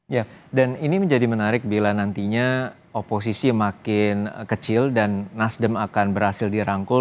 ya dan ini menjadi menarik bila nantinya oposisi makin kecil dan nasdem akan berhasil dirangkul